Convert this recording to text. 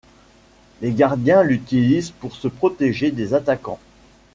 Les Gardiens l'utilisent pour se protéger des attaquants.